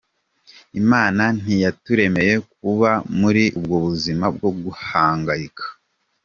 Imana ntiyaturemeye kuba muri ubwo buzima bwo guhangayika.